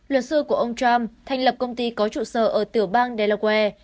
luật sư của ông trump thành lập công ty có trụ sở ở tiểu bang delaware